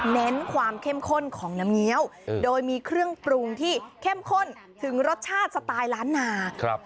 เน้นความเข้มข้นของน้ำเงี้ยวโดยมีเครื่องปรุงที่เข้มข้นถึงรสชาติสไตล์ล้านนา